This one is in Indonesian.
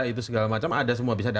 itu segala macam ada semua bisa